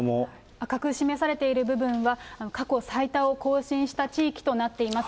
赤く示されている部分は過去最多を更新した地域となっています。